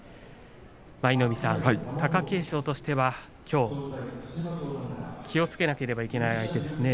舞の海さん、貴景勝としては気をつけなければいけない相手ですね。